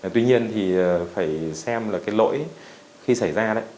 tuy nhiên thì phải xem là cái lỗi khi xảy ra đấy